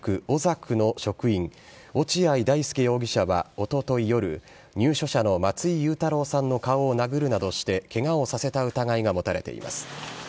おざくの職員、落合だいすけ容疑者はおととい夜、入所者の松井祐太朗さんの顔を殴るなどしてけがをさせた疑いが持たれています。